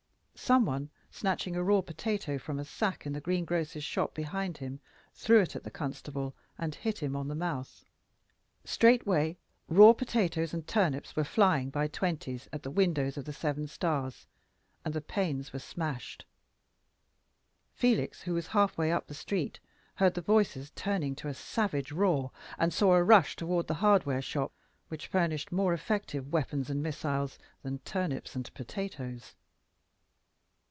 Some one, snatching a raw potato from a sack in the green grocer's shop behind him, threw it at the constable, and hit him on the mouth. Straightway raw potatoes and turnips were flying by twenties at the windows of the Seven Stars, and the panes were smashed. Felix, who was half way up the street, heard the voices turning to a savage roar, and saw a rush toward the hardware shop, which furnished more effective weapons and missiles than turnips and potatoes.